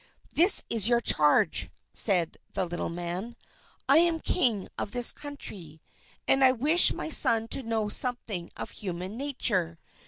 "This is your charge," said the little man. "I am King of this country, and I wish my son to know something of human nature.